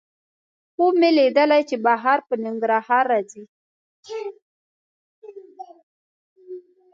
خوب مې لیدلی چې بهار په ننګرهار راځي